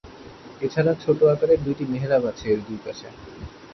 এছাড়া ছোট আকারের দুইটি মেহরাব আছে এর দুই পাশে।